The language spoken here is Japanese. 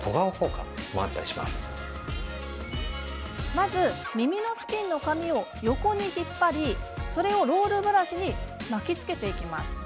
まず、耳の付近の髪を横に引っ張りそれをロールブラシに巻きつけていきます。